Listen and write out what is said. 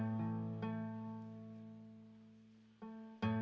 ya udah saya pakai baju dulu